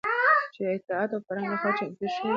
چې د اطلاعاتو او فرهنګ لخوا چمتو شوى